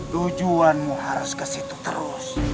tujuanmu harus ke situ terus